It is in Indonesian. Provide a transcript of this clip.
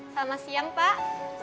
selamat siang pak